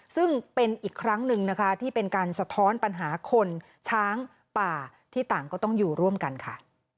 ซึ่งเป็นอีกครั้งหนึ่งนะคะที่เป็นการสะท้อนปัญหาคนช้างป่าที่ต่างก็ต้องอยู่ร่วมกันค่ะ